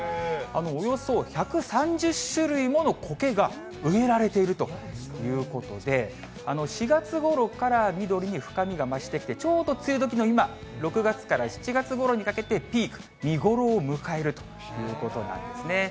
およそ１３０種類ものこけが植えられているということで、４月ごろから緑に深みが増してきて、ちょうど梅雨時の今、６月から７月ごろにかけてピーク、見頃を迎えるということなんですね。